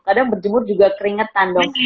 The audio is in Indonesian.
kadang berjemur juga keringetan dong